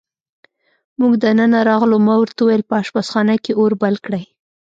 موږ دننه راغلو، ما ورته وویل: په اشپزخانه کې اور بل کړئ.